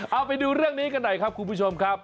เอาไปดูเรื่องนี้กันหน่อยครับคุณผู้ชมครับ